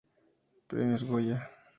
Premios Goya.